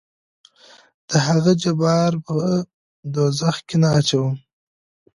دهغه جبار په دوزخ کې نه اچوم.